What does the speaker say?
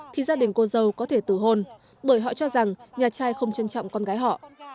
thì gia đình cô dâu có thể tử hôn bởi họ cho rằng nhà trai không trân trọng con gái họ